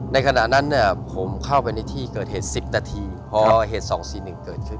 ในขณะนั้นเนี่ยผมเข้าไปในที่เกิดเหตุสิบนาทีเพราะเหตุสองสี่หนึ่งเกิดขึ้น